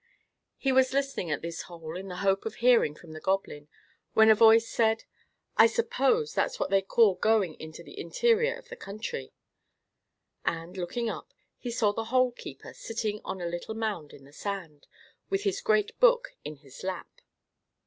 He was listening at this hole, in the hope of hearing from the Goblin, when a voice said, "I suppose that's what they call going into the interior of the country;" and, looking up, he saw the Hole keeper sitting on a little mound in the sand, with his great book in his lap.